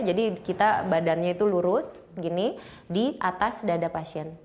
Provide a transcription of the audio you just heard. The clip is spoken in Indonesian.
jadi kita badannya itu lurus di atas dada pasien